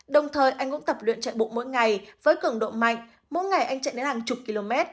đồng thời anh cũng tập luyện chạy bụng mỗi ngày với cường độ mạnh mỗi ngày anh chạy đến hàng chục km